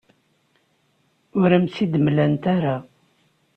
Ur am-tt-id-mlant ara.